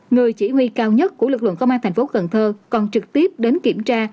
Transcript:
người chỉ huy cao nhất của lực lượng công an thành phố cần thơ còn trực tiếp đến kiểm tra